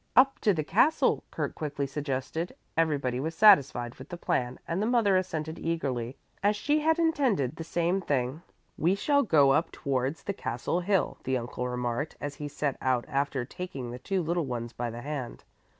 "Up to the castle," Kurt quickly suggested. Everybody was satisfied with the plan and the mother assented eagerly, as she had intended the same thing. "We shall go up towards the castle hill," the uncle remarked as he set out after taking the two little ones by the hand.